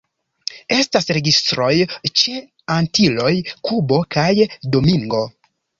Estas registroj ĉe Antiloj, Kubo kaj Domingo.